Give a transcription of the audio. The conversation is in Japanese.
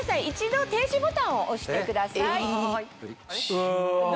一度停止ボタンを押してください。